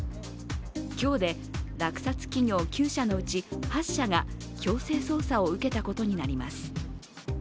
今日で落札企業９社のうち８社が強制捜査を受けたことになります。